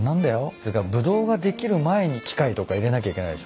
それからブドウができる前に機械とか入れなきゃいけないでしょ。